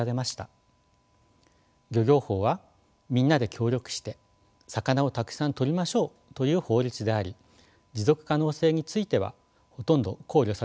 漁業法はみんなで協力して魚をたくさんとりましょうという法律であり持続可能性についてはほとんど考慮されていませんでした。